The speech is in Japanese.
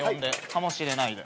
かもしれないで。